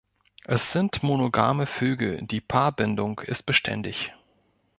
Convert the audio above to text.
Es sind monogame Vögel, die Paarbindung ist beständig.